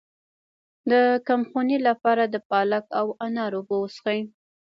د کمخونۍ لپاره د پالک او انار اوبه وڅښئ